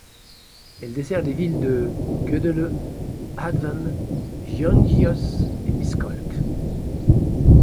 Elle dessert les villes de Gödöllő, Hatvan, Gyöngyös et Miskolc.